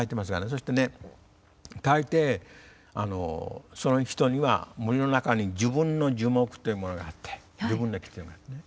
そしてね大抵その人には森の中に自分の樹木というものがあって自分の木っていうのがあって。